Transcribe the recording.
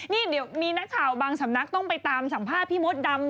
นี่เดี๋ยวมีนักข่าวบางสำนักต้องไปตามสัมภาษณ์พี่มดดำ